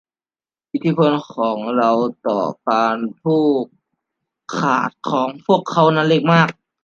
อิทธิพลของเราต่อการผูกขาดของพวกเขานั้นเล็กมาก